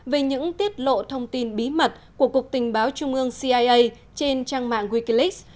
về những tiết lộ thông tin bí mật của cục tình báo trung ương cia trên trang mạng wikileaks